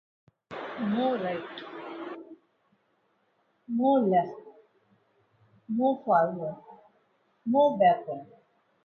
Karyn Bosnak was born in Chicago, Illinois.